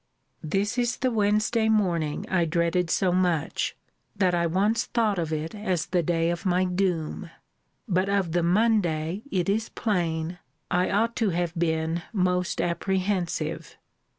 This is the Wednesday morning I dreaded so much, that I once thought of it as the day of my doom: but of the Monday, it is plain, I ought to have been most apprehensive.